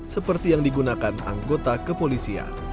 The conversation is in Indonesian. seperti yang digunakan anggota kepolisian